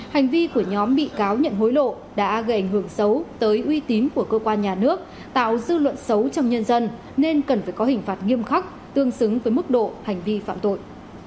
hành vi của nhóm bị cáo nhận hối lộ đã gây ảnh hưởng xấu tới uy tín của cơ quan nhà nước tạo dư luận xấu trong nhân dân nên cần phải có hình phạt nghiêm khắc tương xứng với mức độ hành vi phạm tội